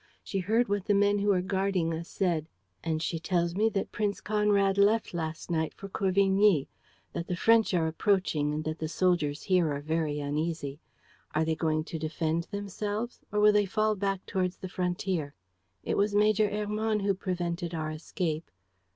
She heard what the men who are guarding us said and she tells me that Prince Conrad left last night for Corvigny; that the French are approaching and that the soldiers here are very uneasy. Are they going to defend themselves, or will they fall back towards the frontier? ... It was Major Hermann who prevented our escape.